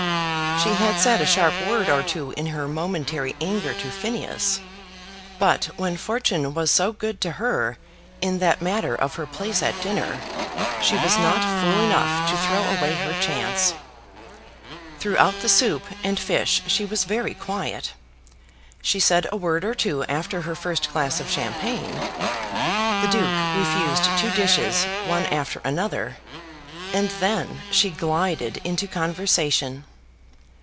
She had said a sharp word or two in her momentary anger to Phineas; but when Fortune was so good to her in that matter of her place at dinner, she was not fool enough to throw away her chance. Throughout the soup and fish she was very quiet. She said a word or two after her first glass of champagne. The Duke refused two dishes, one after another, and then she glided into conversation.